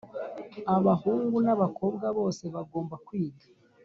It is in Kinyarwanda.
Abahungu n’abakobwa bose bagomba kwiga.